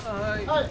はい。